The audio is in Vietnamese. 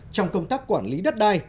trong công tác quản lý đất đai